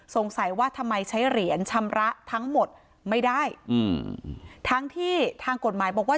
สงสัยว่าทำไมใช้เหรียญชำระทั้งหมดไม่ได้อืมทั้งที่ทางกฎหมายบอกว่า